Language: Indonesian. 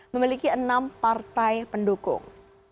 memiliki enam partai pendukung